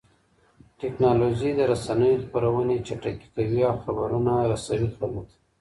ټکنالوژي د رسنيو خپرونې چټکې کوي او خبرونه رسوي خلکو ته.